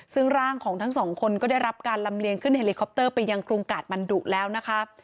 ซึ่งร่างของทั้งสองคนก็ได้รับการลำเลียงขึ้นเฮลิคอปเตอร์ไปยังกรุงกาดมันดุแล้วนะคะ